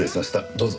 どうぞ！